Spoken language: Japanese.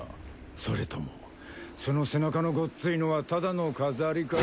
それともその背中のごっついのはただの飾りか？